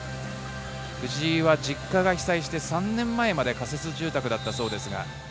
藤井は実家が被災して３年前まで仮設住宅だったそうです。